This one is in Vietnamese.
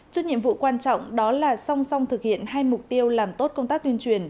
trước nhiệm vụ quan trọng đó là song song thực hiện hai mục tiêu làm tốt công tác tuyên truyền